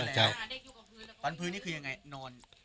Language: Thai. ตอนพื้นนี้คือยังไงนอน